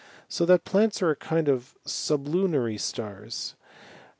So that plants are a kind of sublunary stars.